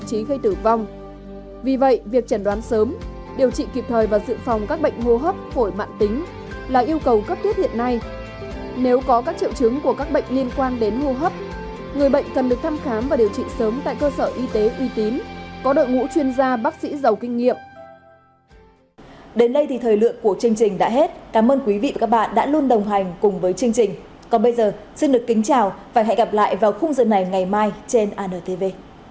còn bây giờ xin được kính chào và hẹn gặp lại vào khung dân này ngày mai trên antv